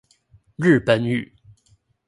日本語